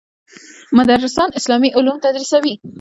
مدرسان اسلامي علوم تدریسوي.